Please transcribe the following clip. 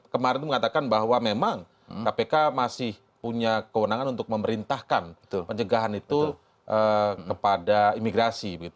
kemarin itu mengatakan bahwa memang kpk masih punya kewenangan untuk memerintahkan pencegahan itu kepada imigrasi